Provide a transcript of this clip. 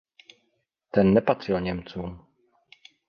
Ten nepatřil Němcům.